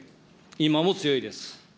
今も強いです。